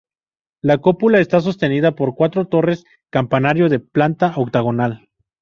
La cúpula está sostenida por cuatro torres campanario de planta octogonal.